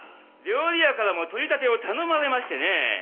料理屋からも取り立てを頼まれましてね。